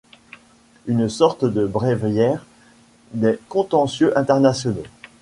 Une sorte de bréviaire des contentieux internationaux.